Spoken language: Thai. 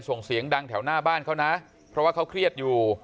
ส่งเสียงดังแถวหน้าบ้านเขานะเพราะว่าเขาเครียดอยู่